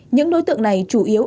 những đối tượng này chủ yếu